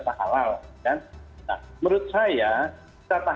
nah dengan itulah aku berpikir